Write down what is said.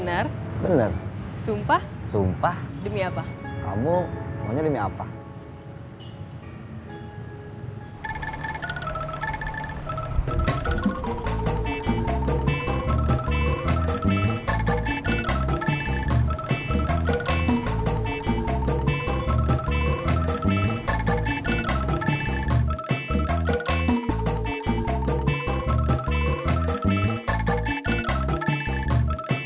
aku mau nyari kerjaan lain